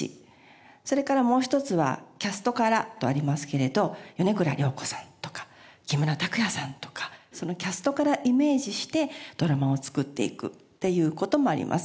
それからもう一つは「キャストから」とありますけれど米倉涼子さんとか木村拓哉さんとかそのキャストからイメージしてドラマを作っていくっていう事もあります。